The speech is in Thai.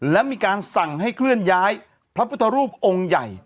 และมีการสั่งให้เคลื่อนย้ายพระพุทธรูปองค์ใหญ่